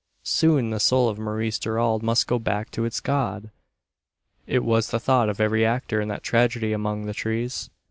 "Soon the soul of Maurice Gerald must go back to its God!" It was the thought of every actor in that tragedy among the trees.